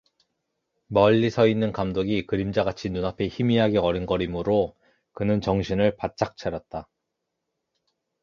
멀리 서 있는 감독이 그림자같이 눈앞에 희미하게 어른거리므로 그는 정신을 바짝 차렸다.